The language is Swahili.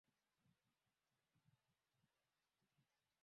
Kule kuwa kama Mungu uliona si kitu.